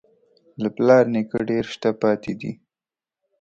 له پلار نیکه ډېر شته پاتې دي.